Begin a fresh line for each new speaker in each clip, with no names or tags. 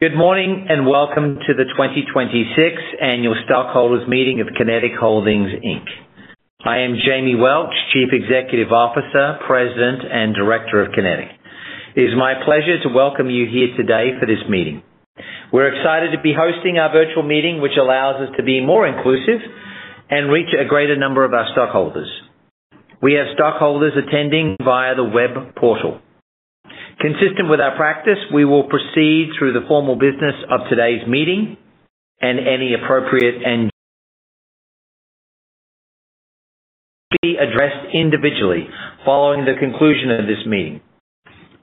Good morning, and welcome to the 2026 Annual Stockholders Meeting of Kinetik Holdings Inc. I am Jamie Welch, Chief Executive Officer, President, and Director of Kinetik. It is my pleasure to welcome you here today for this meeting. We're excited to be hosting our virtual meeting, which allows us to be more inclusive and reach a greater number of our stockholders. We have stockholders attending via the web portal. Consistent with our practice, we will proceed through the formal business of today's meeting and any appropriate-- To be addressed individually following the conclusion of this meeting.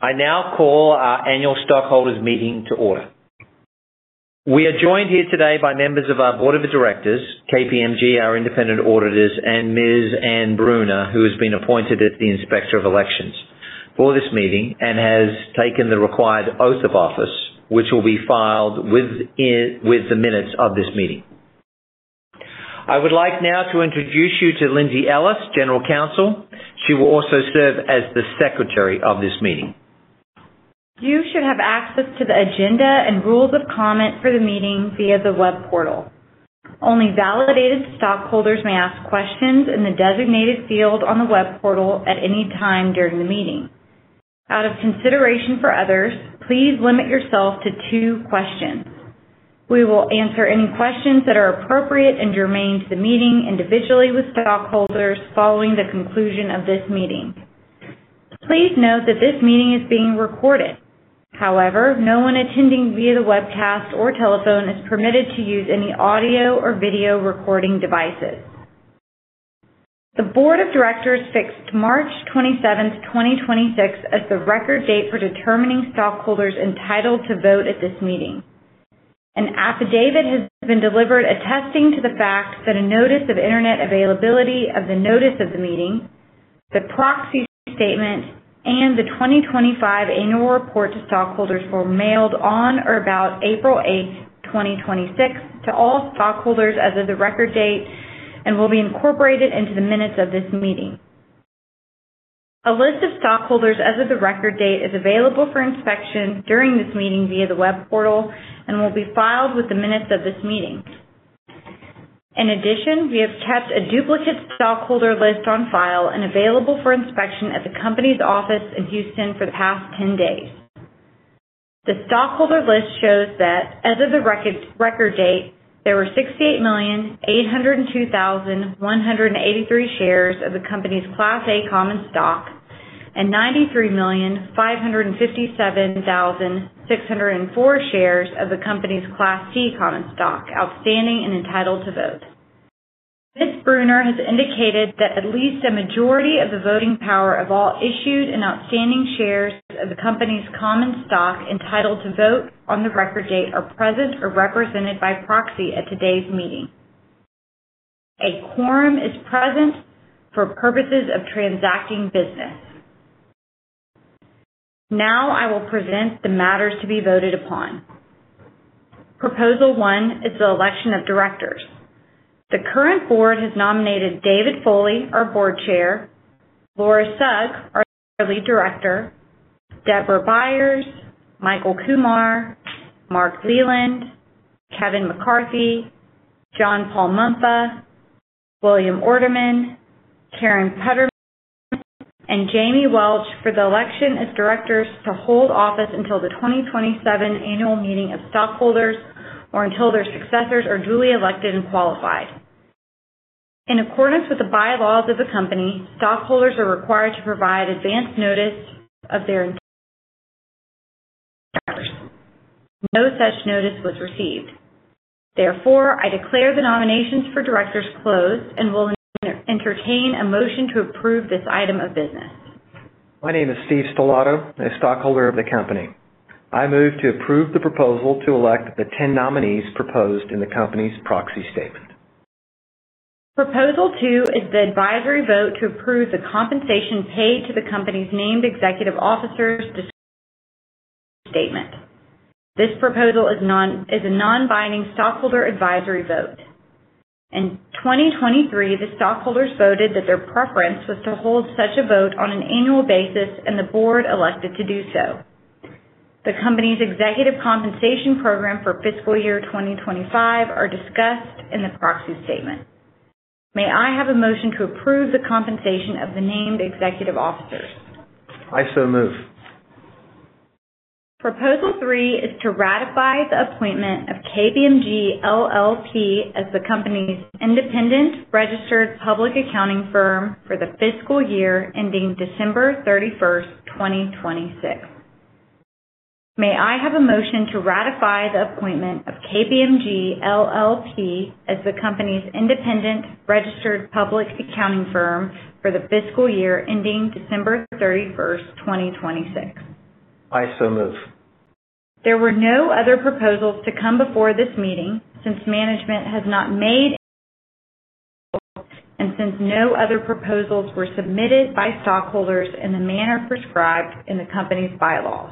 I now call our annual stockholders meeting to order. We are joined here today by members of our Board of Directors, KPMG, our Independent Auditors, and Ms. Anne Bruner, who has been appointed as the Inspector of Elections for this meeting and has taken the required oath of office, which will be filed with the minutes of this meeting. I would like now to introduce you to Lindsay Ellis, General Counsel. She will also serve as the Secretary of this meeting.
You should have access to the agenda and rules of comment for the meeting via the web portal. Only validated stockholders may ask questions in the designated field on the web portal at any time during the meeting. Out of consideration for others, please limit yourself to two questions. We will answer any questions that are appropriate and germane to the meeting individually with stockholders following the conclusion of this meeting. Please note that this meeting is being recorded. However, no one attending via the webcast or telephone is permitted to use any audio or video recording devices. The Board of Directors fixed March 27th, 2026 as the record date for determining stockholders entitled to vote at this meeting. An affidavit has been delivered attesting to the fact that a notice of Internet availability of the notice of the meeting, the proxy statement, and the 2025 annual report to stockholders were mailed on or about April 8th, 2026 to all stockholders as of the record date and will be incorporated into the minutes of this meeting. A list of stockholders as of the record date is available for inspection during this meeting via the web portal and will be filed with the minutes of this meeting. We have kept a duplicate stockholder list on file and available for inspection at the company's office in Houston for the past 10 days. The stockholder list shows that as of the record date, there were 68,802,183 shares of the company's Class A common stock and 93,557,604 shares of the company's Class C common stock outstanding and entitled to vote. Ms. Bruner has indicated that at least a majority of the voting power of all issued and outstanding shares of the company's common stock entitled to vote on the record date are present or represented by proxy at today's meeting. A quorum is present for purposes of transacting business. I will present the matters to be voted upon. Proposal 1 is the election of Directors. The current Board has nominated David Foley, our Board Chair, Laura Sugg, our Lead Independent Director, Deborah Byers, Michael Kumar, Mark Leland, Kevin McCarthy, John-Paul Munfa, William Ordemann, Karen Putterman, and Jamie Welch for the election as Directors to hold office until the 2027 Annual Meeting of Stockholders or until their successors are duly elected and qualified. In accordance with the bylaws of the company, stockholders are required to provide advance notice of their-- No such notice was received. Therefore, I declare the nominations for Directors closed and will entertain a motion to approve this item of business.
My name is Steve Stellato, a stockholder of the company. I move to approve the proposal to elect the 10 nominees proposed in the company's proxy statement.
Proposal 2 is the advisory vote to approve the compensation paid to the company's named executive officers. This proposal is a non-binding stockholder advisory vote. In 2023, the stockholders voted that their preference was to hold such a vote on an annual basis, and the Board elected to do so. The company's executive compensation program for fiscal year 2025 are discussed in the proxy statement. May I have a motion to approve the compensation of the named executive officers?
I so move.
Proposal 3 is to ratify the appointment of KPMG LLP as the company's independent registered public accounting firm for the fiscal year ending December 31st, 2026. May I have a motion to ratify the appointment of KPMG LLP as the company's independent registered public accounting firm for the fiscal year ending December 31st, 2026.
I so move.
There were no other proposals to come before this meeting. Since no other proposals were submitted by stockholders in the manner prescribed in the company's bylaws,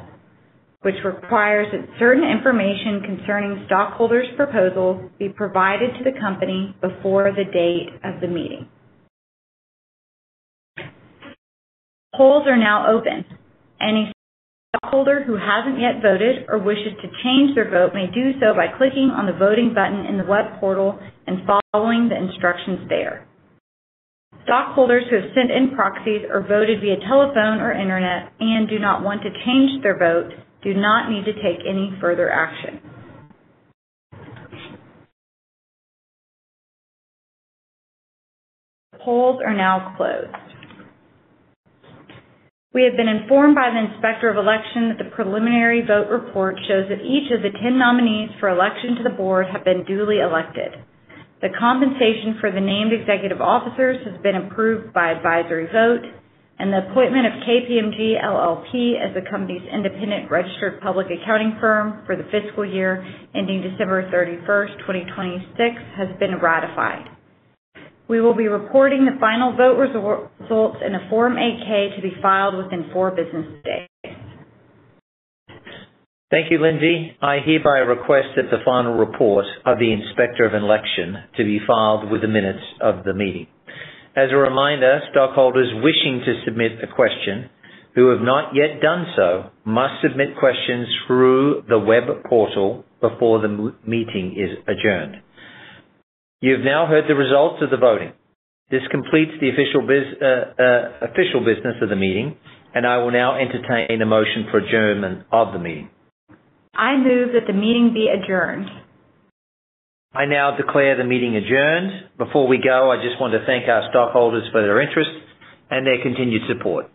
which requires that certain information concerning stockholders' proposals be provided to the company before the date of the meeting. Polls are now open. Any stockholder who hasn't yet voted or wishes to change their vote may do so by clicking on the voting button in the web portal and following the instructions there. Stockholders who have sent in proxies or voted via telephone or internet and do not want to change their vote do not need to take any further action. Polls are now closed. We have been informed by the Inspector of Election that the preliminary vote report shows that each of the 10 nominees for election to the Board have been duly elected. The compensation for the named executive officers has been approved by advisory vote, and the appointment of KPMG LLP as the company's independent registered public accounting firm for the fiscal year ending December 31st, 2026, has been ratified. We will be reporting the final vote results in a Form 8-K to be filed within four business days.
Thank you, Lindsay. I hereby request that the final report of the Inspector of Election to be filed with the minutes of the meeting. As a reminder, stockholders wishing to submit a question who have not yet done so must submit questions through the web portal before the meeting is adjourned. You've now heard the results of the voting. This completes the official business of the meeting, and I will now entertain a motion for adjournment of the meeting.
I move that the meeting be adjourned.
I now declare the meeting adjourned. Before we go, I just want to thank our stockholders for their interest and their continued support.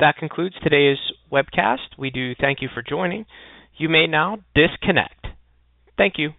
That concludes today's webcast. We do thank you for joining. You may now disconnect. Thank you.